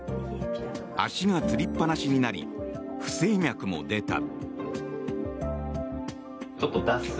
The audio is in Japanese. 足がつりっぱなしになり不整脈も出た。